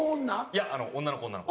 いや女の子女の子。